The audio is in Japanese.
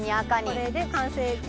これで完成で。